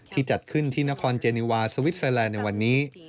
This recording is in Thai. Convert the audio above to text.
จัดขึ้นที่นครเจนิวาสวิสเตอร์แลนด์ในวันนี้